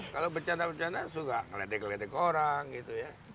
kalau becanda becanda suka ngeletek ngeletek orang gitu ya